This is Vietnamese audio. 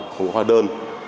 không có hoa đơn